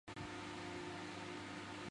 元代属朵甘宣慰司。